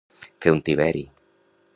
Fer un tiberi.